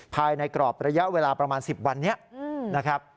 ภายในกรอบระยะเวลาประมาณ๑๐วันนี้นะครับ